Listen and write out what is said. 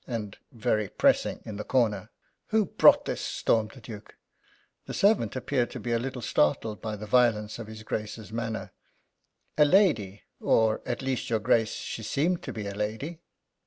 and "Very pressing!!!" in the corner. "Who brought this?" stormed the Duke. The servant appeared to be a little startled by the violence of his Grace's manner. "A lady or, at least, your Grace, she seemed to be a lady."